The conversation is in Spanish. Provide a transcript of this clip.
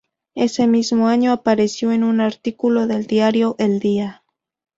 Ese mismo año apareció en un artículo del diario El Día.